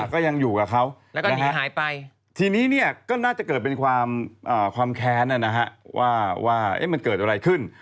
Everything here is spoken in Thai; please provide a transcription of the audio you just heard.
ก็ยังอยู่กับเขาแล้วก็หนีหายไปทีนี้เนี่ยก็น่าจะเกิดเป็นความแค้นนะฮะว่ามันเกิดอะไรขึ้น